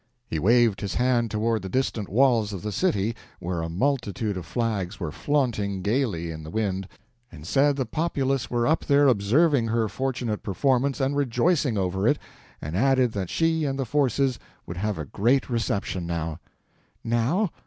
He waved his hand toward the distant walls of the city, where a multitude of flags were flaunting gaily in the wind, and said the populace were up there observing her fortunate performance and rejoicing over it, and added that she and the forces would have a great reception now. "Now?